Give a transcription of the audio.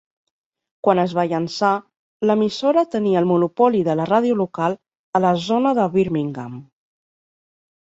Quan es va llançar, l'emissora tenia el monopoli de la ràdio local a la zona de Birmingham.